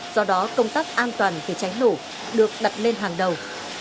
do đó công tác an toàn về cháy nổ được đặt lên hàng đầu